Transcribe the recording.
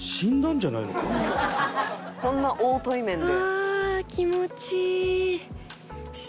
「こんな大対面で」